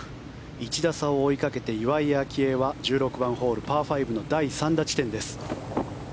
１打差を追いかけて岩井明愛は１６番ホールパー５の第３打地点です。